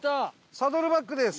サドルバックです！